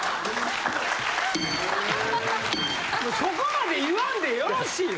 そこまで言わんでよろしいわ。